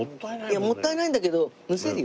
いやもったいないんだけどむせるよ？